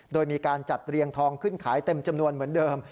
โดยมีการจัดเรียงทองขึ้นขายเต็มจำนวนเหมือนเดิม